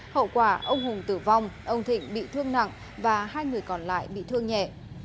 hậu quả ông hùng tử vong ông thịnh bị thương nặng và hai người còn lại bị thương nhẹ